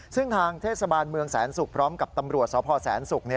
ซึ่งทางเทศบาลเมืองแสนศุกร์พร้อมกับตำรวจสพแสนศุกร์